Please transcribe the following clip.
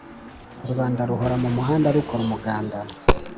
Rubanda ruhora mu muhanda rukora umuganda